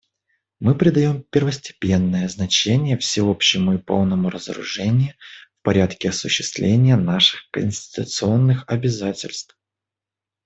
Мы придаем первостепенное значение всеобщему и полному разоружению в порядке осуществления наших конституционных обязательств.